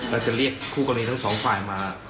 แล้วจะเรียกคู่กรณีทั้งสองฝ่ายมา